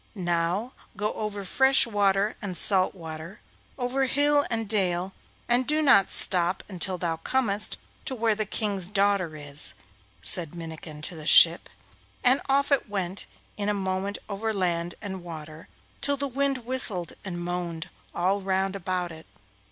'Now go over fresh water and salt water, over hill and dale, and do not stop until thou comest to where the King's daughter is,' said Minnikin to the ship, and off it went in a moment over land and water till the wind whistled and moaned all round about it.